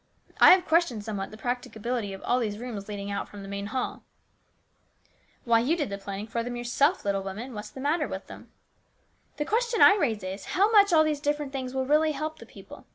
I have questioned somewhat the practicability of all these rooms leading out from the main hall." STEWARDSHIP. 808 " Why, you did the planning for them yourself, little woman. What's the matter with them ?"" The question I raise is, how much all these different things will really help the people.